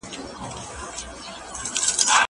زه بايد د کتابتون د کار مرسته وکړم!